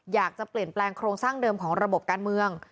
อยากจะเปลี่ยนแปลงโครงสร้างเดิมของระบบการเมือง